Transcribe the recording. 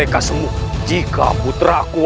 kau masih putraku